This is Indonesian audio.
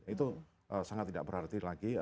itu sangat tidak berarti lagi